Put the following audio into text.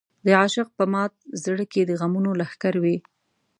د عاشق په مات زړه کې د غمونو لښکر وي.